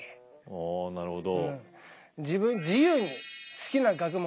あなるほど。